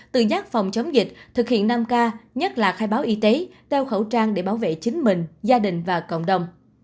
tự giác phòng chống dịch thực hiện năm k nhất là khai báo y tế đeo khẩu trang để bảo vệ chính mình gia đình và cộng đồng